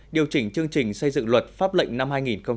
điều chỉnh chương trình xây dựng luật pháp lệnh năm hai nghìn hai mươi